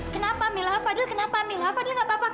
kenapa mila fadil kenapa mila fadil nggak apa apa